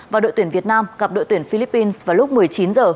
và đội tuyển việt nam gặp đội tuyển philippines vào lúc một mươi chín h